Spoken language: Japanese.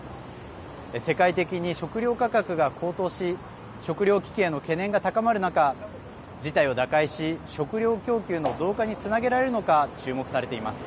世界的に食料価格が高騰し食料危機への懸念が高まる中事態を打開し食料供給の増加につなげられるのか注目されています。